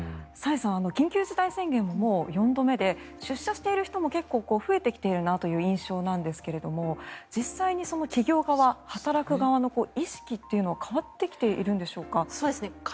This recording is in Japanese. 崔さん、緊急事態宣言ももう４度目で出社している人も増えてきているなという印象なんですが実際に企業側働く側の意識というのは変わってきているんでしょうか？